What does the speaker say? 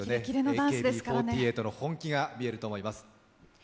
ＡＫＢ４８の本気が見れると覆います。